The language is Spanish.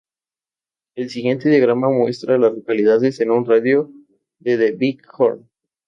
El siguiente diagrama muestra a las localidades en un radio de de Big Horn.